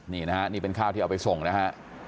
นี่นะฮะนี่เป็นข้าวที่เอาไปส่งนะฮะ